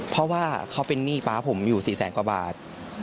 เพราะว่าเขาเป็นหนี้ป๊าผมอยู่๔แสนกว่าบาท